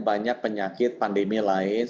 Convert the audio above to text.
banyak penyakit pandemi lain